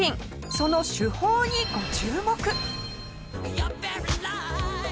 その手法にご注目。